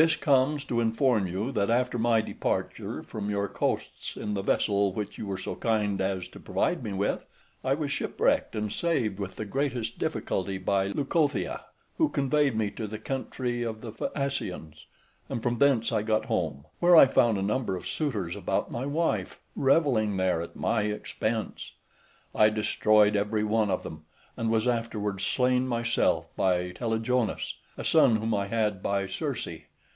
"This comes to inform you, that after my departure from your coasts in the vessel which you were so kind as to provide me with, I was shipwrecked, and saved with the greatest difficulty by Leucothea, who conveyed me to the country of the Phaeacians, and from thence I got home; where I found a number of suitors about my wife, revelling there at my expense. I destroyed every one of them, and was afterwards slain myself by Telegonus, a son whom I had by Circe.